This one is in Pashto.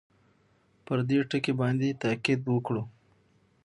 پر دې ټکي باندې تاءکید وکړو.